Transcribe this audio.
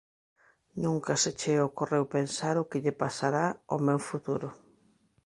Nunca se che ocorreu pensar o que lle pasará ó meu futuro...